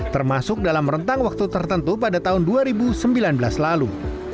termasuk dalam rentang waktu tertentu pada tahun dua ribu sembilan belas lalu